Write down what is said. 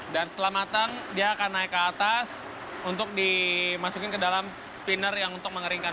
dan setelah matang dia akan naik ke atas untuk dimasukin ke dalam spinner yang untuk mengeringkan